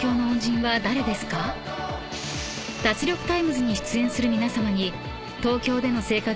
［『脱力タイムズ』に出演する皆さまに］